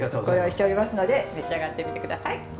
ご用意しておりますので召し上がってみてください。